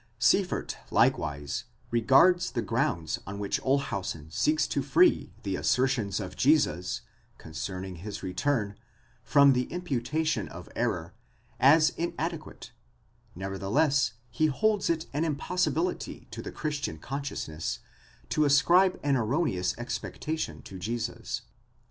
Sieffert, likewise, regards the grounds on which Olshausen seeks to free the assertions of Jesus concerning his return from the imputation of error, as in adequate ; nevertheless he holds it an impossibility to the Christian con sciousness, to ascribe an erroneous expectation to Jesus.